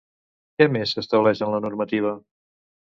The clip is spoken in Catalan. Què més s'estableix en la normativa?